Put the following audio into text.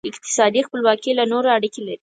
اقتصادي خپلواکي له نورو اړیکې لري.